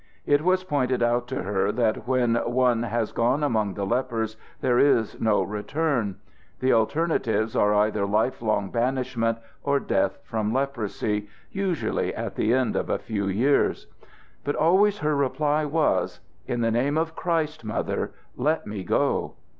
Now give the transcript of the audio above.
It was pointed out to her that when one has gone among the lepers there is no return; the alternatives are either life long banishment, or death from leprosy, usually at the end of a few years. But always her reply was: "In the name of Christ, Mother, let me go!"